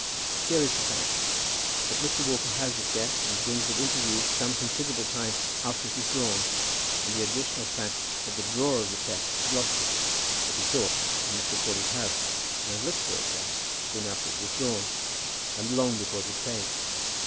Here is the fact: that Mr. Crawley has the cheque, and brings it into use some considerable time after it is drawn; and the additional fact that the drawer of the cheque had lost it, as he thought, in Mr. Crawley's house, and had looked for it there, soon after it was drawn, and long before it was paid.